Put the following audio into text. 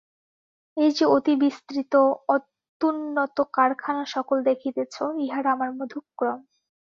এই যে অতিবিস্তৃত, অত্যুন্নত কারখানাসকল দেখিতেছ, ইহারা আমার মধুক্রম।